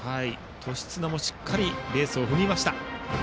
年綱もしっかりベースを踏みました。